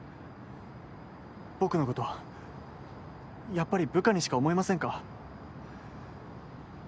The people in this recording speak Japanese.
僕のこと、やっぱり部下にしか思えませんか？